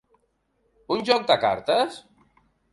Un joc de cartes?